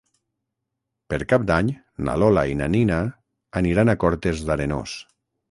Per Cap d'Any na Lola i na Nina aniran a Cortes d'Arenós.